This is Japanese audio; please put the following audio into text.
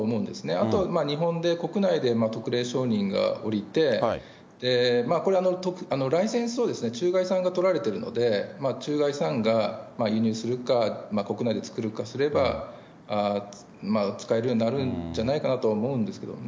あと、日本で、国内で特例承認が下りて、これ、ライセンスを中外さんが取られてるので、中外さんが輸入するか、国内で作るかすれば、使えるようになるんじゃないかなと思うんですけどね。